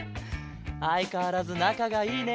あいかわらずなかがいいね。